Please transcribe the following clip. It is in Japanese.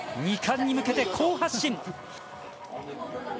２冠に向けて好発進。